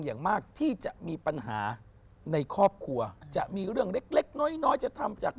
อย่างมากที่จะมีปัญหาในครอบครัวจะมีเรื่องเล็กเล็กน้อยน้อยจะทำจาก